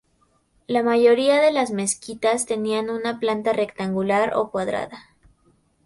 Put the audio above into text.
La mayoría de las mezquitas tenían una planta rectangular o cuadrada.